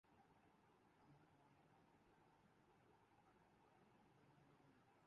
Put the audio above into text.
مطلب ایمپائر اور خلافت میں سیٹ کیا گیا ہے